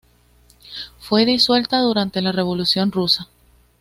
Fue disuelta durante la Revolución rusa.